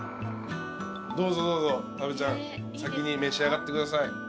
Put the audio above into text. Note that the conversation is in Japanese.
どうぞどうぞ多部ちゃん先に召し上がってください。